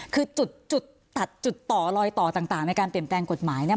คือจุดตัดจุดต่อรอยต่อต่างในการเปลี่ยนแปลงกฎหมายเนี่ย